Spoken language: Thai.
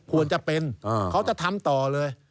ควรจะเป็นเขาจะทำต่อเลย